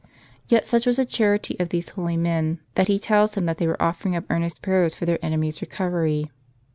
Yet such was the charity of those holy men, that he tells him they were offering up earnest prayers for their enemy's recovery!